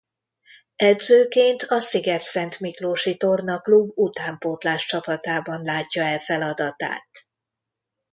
Edzőként a Szigetszentmiklósi Torna Klub utánpótláscsapatában látja el feladatát.